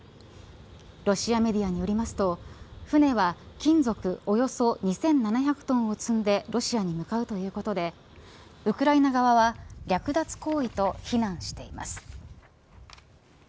ロシアメディアによりますと船は金属およそ２７００トンを積んでロシアに向かうということでウクライナ側は略奪行為と非難しています。